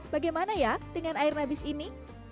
bagaimana ya dengan air nabis ini